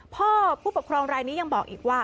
ผู้ปกครองรายนี้ยังบอกอีกว่า